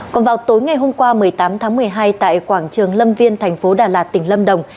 còn vào tối ngày hôm qua một mươi tám tháng một mươi hai tại quảng trường lâm viên thành phố đà lạt tỉnh lâm đồng